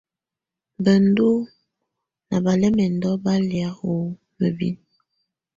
Bǝndù ná balɛmɛndɔ́ bá lɛ́ u mǝ́binǝ.